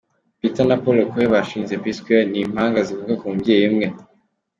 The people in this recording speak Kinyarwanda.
Peter na Paul Okoye bashinze P-Square, ni impanga zivuka ku mubyeyi umwe.